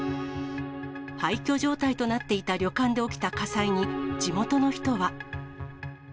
廃虚状態となっていた旅館で起きた火災に、地元の人は。